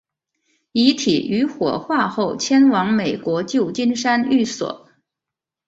遗体于火化后迁往美国旧金山寓所。